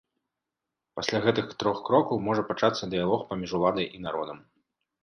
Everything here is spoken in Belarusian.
Пасля гэтых трох крокаў можа пачацца дыялог паміж уладай і народам.